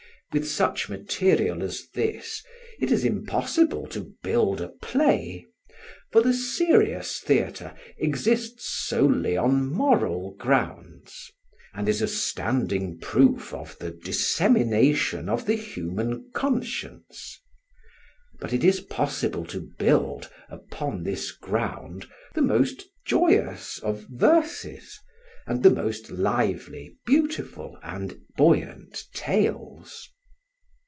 With such material as this it is impossible to build a play, for the serious theatre exists solely on moral grounds, and is a standing proof of the dissemination of the human conscience. But it is possible to build, upon this ground, the most joyous of verses, and the most lively, beautiful and buoyant tales.